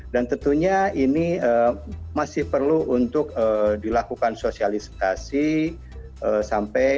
dan tentunya ini masih perlu untuk dilakukan sosialisasi